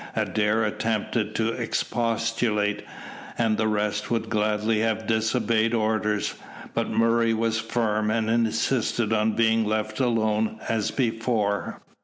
Adair attempted to expostulate, and the rest would gladly have disobeyed orders; but Murray was firm, and insisted on being left alone as before.